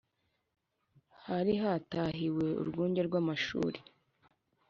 hari hatahiwe urwunge rw’amashuri